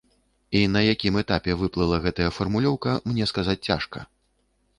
І на якім этапе выплыла гэтая фармулёўка, мне сказаць цяжка.